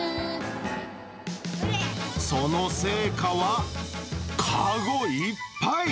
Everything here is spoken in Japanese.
その成果は籠いっぱい。